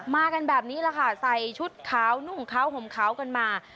กันแบบนี้แหละค่ะใส่ชุดขาวนุ่งขาวห่มขาวกันมา